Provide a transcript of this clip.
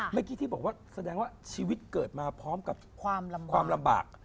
เมื่อกี้ที่บอกว่าแสดงว่าชีวิตเกิดมาพร้อมกับความลำบาก